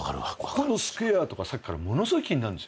ここのスクエアさっきからものすごい気になるんですよ。